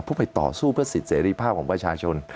เพื่อไปต่อสู้เพื่อสิทธิเสรีภาพของประชาชน